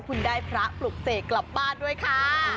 คุณได้พระปลุกเสกกลับบ้านด้วยค่ะ